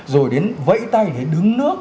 rồi đến vẫy tay để đứng nước